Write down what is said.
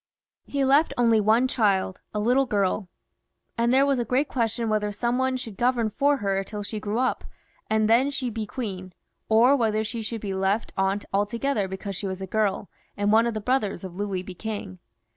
He left only one child, a little girl ; and there was a great question whether some one should govern for her till she grew up, and then she be queen, or whether she should be left out altogether because she was a girl, and one of the brothers of Louis be king.